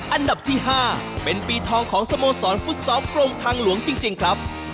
อันดับที่๕เป็นปีทองของสโมสรฟุตซอลกรมทางหลวงจริงครับ